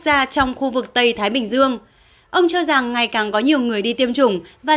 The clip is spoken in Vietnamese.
gia trong khu vực tây thái bình dương ông cho rằng ngày càng có nhiều người đi tiêm chủng và